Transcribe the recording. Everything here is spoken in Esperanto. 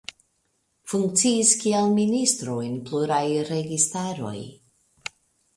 Funkciis kiel ministro en pluraj registaroj.